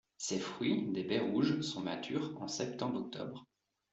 Ses fruits, des baies rouges, sont matures en septembre-octobre.